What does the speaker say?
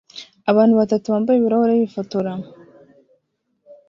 Abantu batatu bambaye ibirahuri bifotora